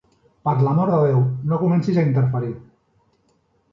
Per l'amor de Déu, no comencis a interferir.